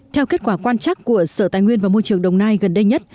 theo kết quả quan chắc của sở tài nguyên và môi trường đồng nai gần đây nhất